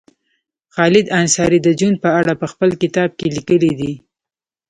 خالد انصاري د جون په اړه په خپل کتاب کې لیکلي دي